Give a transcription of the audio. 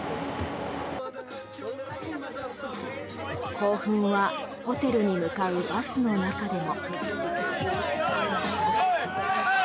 興奮はホテルに向かうバスの中でも。